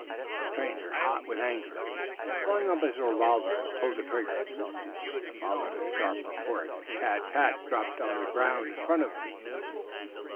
The stranger, hot with anger, flung up his revolver and pulled the trigger. There followed a sharp report and Tad's hat dropped on the ground in front of him.